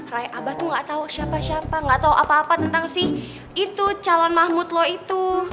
raya abah tuh gak tau siapa siapa gak tau apa apa tentang si calon mahmud lo itu